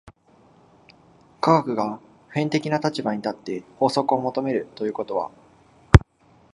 科学が普遍的な立場に立って法則を求めるということは、